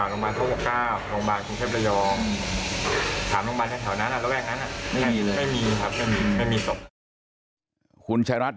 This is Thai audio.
โรงบาลโทพกราบ